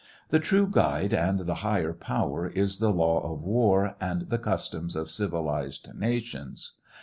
The true guide and the higher law is the law of war and the customs of civilized nations.